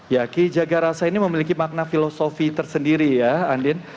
ya ki jagarasa ini memiliki makna filosofi tersendiri ya andin